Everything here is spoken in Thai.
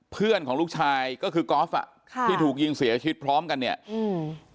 เพื่อนของลูกชายก็คือครับที่ถูกยิงเสียชีวิตพร้อมกันเนี้ยอืม